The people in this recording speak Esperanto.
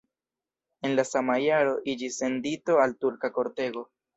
En la sama jaro iĝis sendito al turka kortego.